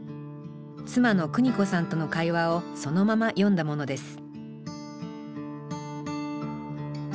妻の邦子さんとの会話をそのまま詠んだものです